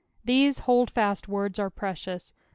These holdfast words are precious.